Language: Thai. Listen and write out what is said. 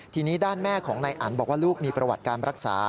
ทีนี้ด้านแม่ของนายอันบอกว่าลูกมีประวัติการรักษา